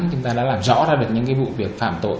chúng ta đã làm rõ ra được những vụ việc phạm tội